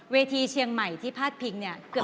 เวทีเชียงใหม่ที่ภาทปริง